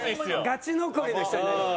ガチ残りの人になります。